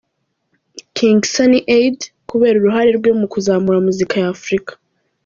King Sunny Ade, kubera uruhare rwe mu kuzamura muzika ya Africa.